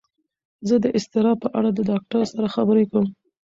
زه د اضطراب په اړه د ډاکتر سره خبرې کوم.